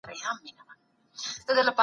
زما د شتمنۍ اصلي لامل ستا تقلید و.